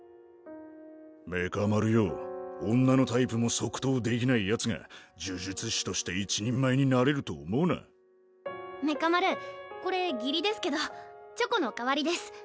メカ丸よ女のタイプも即答できな呪術師として一人前になれると思うなメカ丸これ義理ですけどチョコの代わりです。